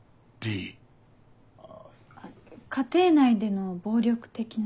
家庭内での暴力的な。